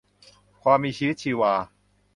ความมีชีวิตชีวา